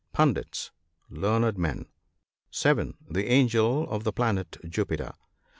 Pundits. — Learned men. (7.) The angel of the planet Jupiter.